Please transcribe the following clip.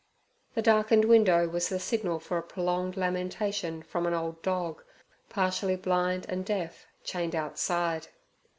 The darkened window was the signal for a prolonged lamentation from an old dog, partially blind and deaf, chained outside.